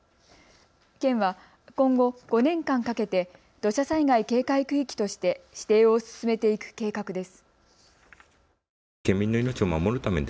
県は今後、５年間かけて土砂災害警戒区域として指定を進めていく計画です。